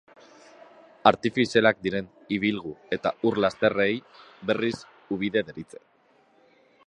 Artifizialak diren ibilgu eta ur-lasterrei, berriz, ubide deritze.